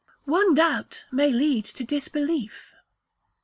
_ [ONE DOUBT MAY LEAD TO DISBELIEF.